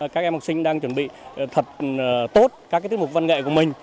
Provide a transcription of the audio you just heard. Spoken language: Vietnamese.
các em học sinh đang chuẩn bị thật tốt các cái thiết mục văn nghệ của mình